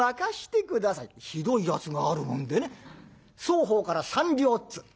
ひどいやつがあるもんでね双方から３両っつ。